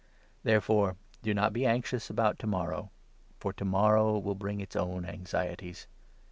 Therefore do not be 34 anxious about to morrow, for to morrow will bring its own anxieties.